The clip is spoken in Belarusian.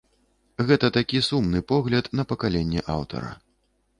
Гэта такі сумны погляд на пакаленне аўтара.